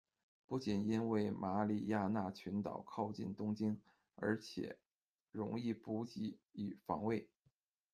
不仅因为马里亚纳群岛靠近东京，而且容易补给与防卫。